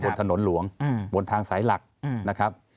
บนถนนหลวงบนทางสายหลักนะครับ